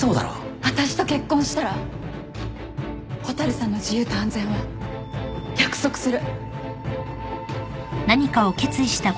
私と結婚したら蛍さんの自由と安全は約束する